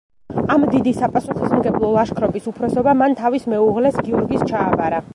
ამ დიდი, საპასუხისმგებლო ლაშქრობის უფროსობა მან თავის მეუღლეს, გიორგის ჩააბარა.